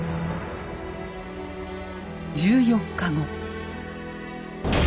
１４日後。